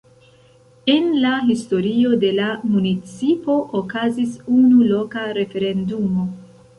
En la historio de la municipo okazis unu loka referendumo.